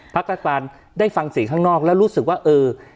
รัฐบาลได้ฟังเสียงข้างนอกแล้วรู้สึกว่าเออ